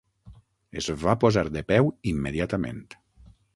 Es va posar de peu immediatament.